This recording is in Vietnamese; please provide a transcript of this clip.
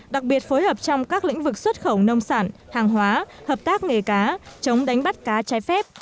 đặc biệt phối hợp trong các lĩnh vực xuất khẩu nông sản hàng hóa hợp tác nghề cá chống đánh bắt cá trái phép